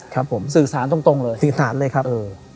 ครับผมสื่อสารตรงเลยสื่อสารเลยครับ